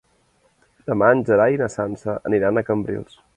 Demà en Gerai i na Sança aniran a Cambrils.